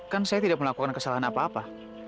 kan saya tidak melakukan kesalahan apa apa